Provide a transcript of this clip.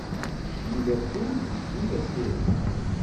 D kemm i d affud, d kemm i d asirem.